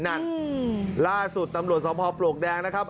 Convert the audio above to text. นั่นล่าสุดตำรวจสมภาพปลวกแดงนะครับ